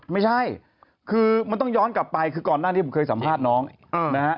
ไม่ใช่คือมันต้องย้อนกลับไปคือก่อนหน้านี้ผมเคยสัมภาษณ์น้องนะฮะ